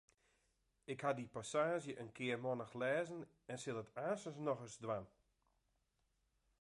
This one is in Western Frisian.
Ik haw dy passaazje in kearmannich lêzen en sil it aanstens noch ris dwaan.